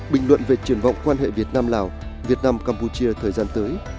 bình luận về triển vọng quan hệ việt nam lào việt nam campuchia thời gian tới